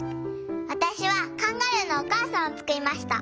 わたしはカンガルーのおかあさんをつくりました。